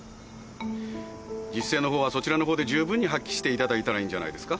自主性のほうはそちらのほうで十分に発揮していただいたらいいんじゃないですか。